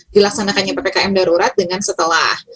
dilaksanakannya ppkm darurat dengan setelah